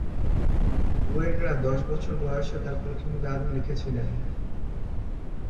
গুয়েররা দশ বছর বয়সে তার প্রথম গান লিখেছিলেন।